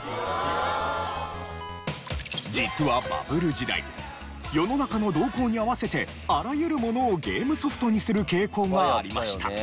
実はバブル時代世の中の動向に合わせてあらゆるものをゲームソフトにする傾向がありました。